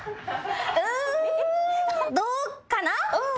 うんどうかな？